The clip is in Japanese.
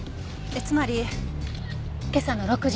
つまり今朝の６時以降。